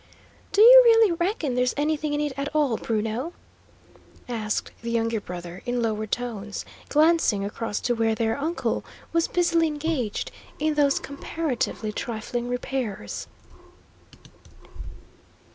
"Do you really reckon there is anything in it all, Bruno?" asked the younger brother in lowered tones, glancing across to where their uncle was busily engaged in those comparatively trifling repairs.